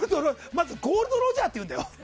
まずゴールド・ロジャーって言うんだよ。